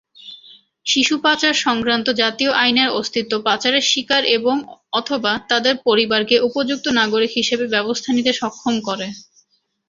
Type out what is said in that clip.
শিশু পাচার সংক্রান্ত জাতীয় আইনের অস্তিত্ব পাচারের শিকার এবং/অথবা তাদের পরিবারকে উপযুক্ত নাগরিক হিসাবে ব্যবস্থা নিতে সক্ষম করে।